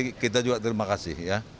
yang pasti kita juga terima kasih ya